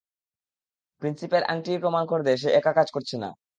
প্রিন্সিপের আংটিই প্রমাণ করে দেয় সে একা কাজ করছে না।